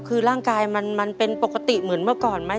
คือร่างกายมันเป็นปกติเหมือนเมื่อก่อนไหม